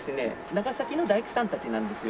長崎の大工さんたちなんですよ。